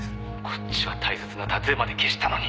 「こっちは大切なタトゥーまで消したのに！」